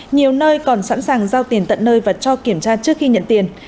nhiều nơi còn sẵn sàng giao tiền tận nơi và cho kiểm tra trước khi nhận tiền